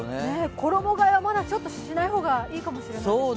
衣替えはまだしない方がいいかもしれないですか？